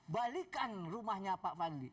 balikan rumahnya pak manli